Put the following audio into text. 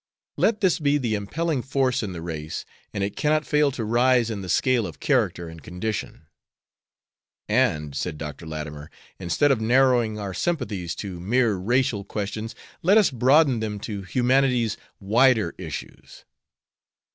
Let this be the impelling force in the race and it cannot fail to rise in the scale of character and condition." "And," said Dr. Latimer, "instead of narrowing our sympathies to mere racial questions, let us broaden them to humanity's wider issues."